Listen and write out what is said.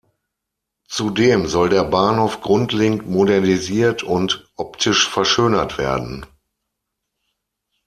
Zudem soll der Bahnhof grundlegend modernisiert und optisch verschönert werden.